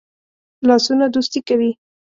لاسونه دوستی کوي